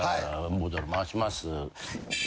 ボトル回します。